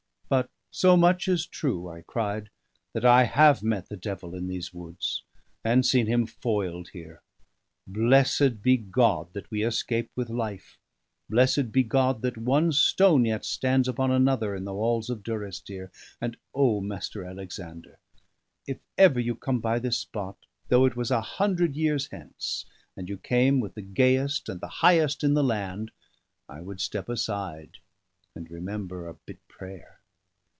"But so much is true," I cried, "that I have met the devil in these woods, and seen him foiled here. Blessed be God that we escaped with life blessed be God that one stone yet stands upon another in the walls of Durrisdeer! And, O! Mr. Alexander, if ever you come by this spot, though it was a hundred years hence, and you came with the gayest and the highest in the land, I would step aside and remember a bit prayer."